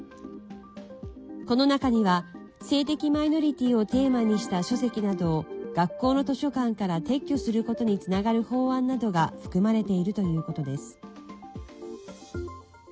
この中には性的マイノリティーをテーマにした書籍などを学校の図書館から撤去することにつながる法案などが含まれているということです。